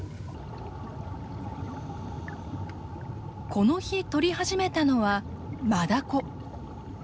この日撮り始めたのはマダコ。